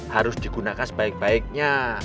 harus digunakan sebaik baiknya